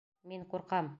Мин ҡурҡам!